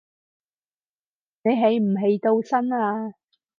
你起唔起到身呀